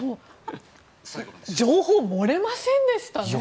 情報漏れませんでしたね。